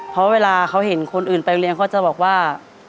เพราะเวลาเขาเห็นคนอื่นไปโรงเรียนเขาจะบอกว่า